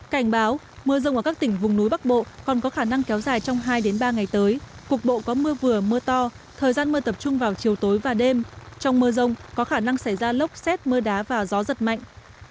cảnh báo mưa rông ở các tỉnh vùng núi bắc bộ còn có khả năng kéo dài trong hai ba ngày tới cục bộ có mưa vừa mưa to thời gian mưa tập trung vào chiều tối và đêm trong mưa rông có khả năng xảy ra lốc xét mưa đá và gió giật mạnh